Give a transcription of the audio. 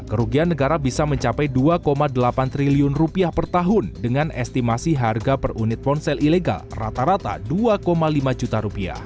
kerugian negara bisa mencapai rp dua delapan triliun per tahun dengan estimasi harga per unit ponsel ilegal rata rata rp dua lima juta